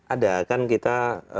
ada kan kita